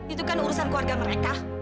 itu kan urusan keluarga mereka